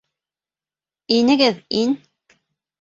— Инегеҙ, ин